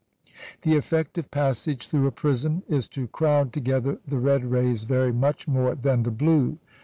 The effect of passage through a prism is to crowd together the red rays very much more than the blue.